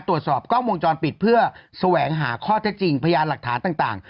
ตรวจสอบกล้องวงจรปิดเพื่อแสวงหาข้อเท็จจริงพยานหลักฐานต่าง